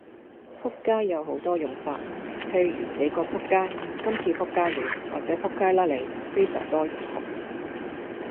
仆街有好多用法，譬如你個仆街，今次仆街了或者仆街啦你，非常多用途